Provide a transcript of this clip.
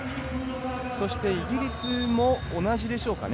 イギリスも同じでしょうかね。